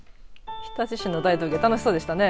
日立市の大道芸楽しそうでしたね。